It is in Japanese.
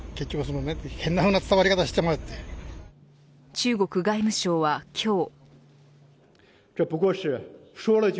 中国外務省は今日。